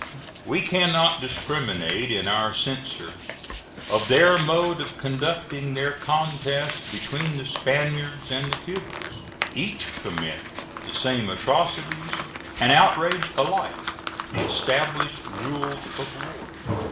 We can not discriminate in our censure of their mode of conducting their contest between the Spaniards and the Cubans. Each commit the same atrocities and outrage alike the established rules of war.